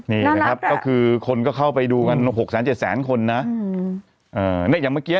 นี่นะครับก็คือคนก็เข้าไปดูกันหกสามเจ็ดแสนคนน่ะอืมเออเนี้ยอย่างเมื่อกี้